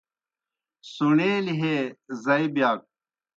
سوݨیلیْ ہے زائی بِیاک